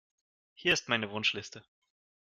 Hier ist meine Wunschliste.